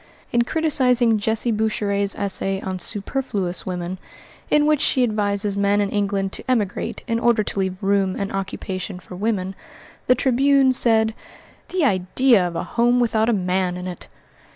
In criticising Jessie Boucherett's essay on "Superfluous Women," in which she advises men in England to emigrate in order to leave room and occupation for women, the Tribune said: "The idea of a home without a man in it!"